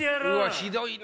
ひどいね。